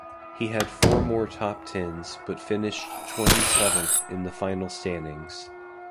He had four more top-tens, but finished twenty-seventh in the final standings.